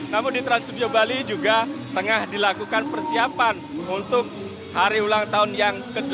namun di trans studio bali juga tengah dilakukan persiapan untuk hari ulang tahun yang ke delapan belas